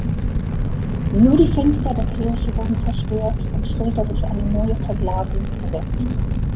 Nur die Fenster der Kirche wurden zerstört und später durch eine neue Verglasung ersetzt.